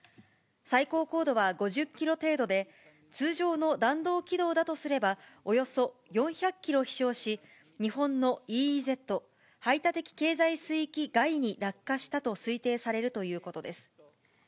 最高高度は５０キロ程度で、通常の弾道軌道だとすれば、およそ４００キロ飛しょうし、日本のＥＥＺ・排他的経済水域外に落下したと推定されるということです。